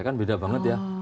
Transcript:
kan beda banget ya